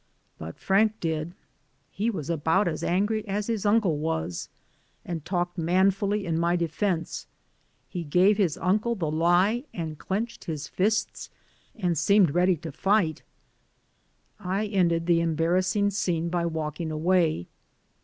But Frank did ; he was about as angry as his uncle was, and talked manfully in my de fense. He gave his uncle the lie, and clenched his fists and seemed ready to fight. DAYS ON THE ROAD. 183 I ended the embarrassing scene by walking away.